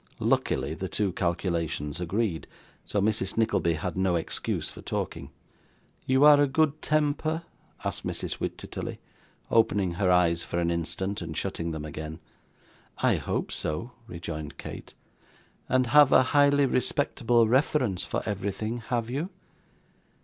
Luckily the two calculations agreed, so Mrs. Nickleby had no excuse for talking. 'You are a good temper?' asked Mrs. Wititterly, opening her eyes for an instant, and shutting them again. 'I hope so,' rejoined Kate. 'And have a highly respectable reference for everything, have you?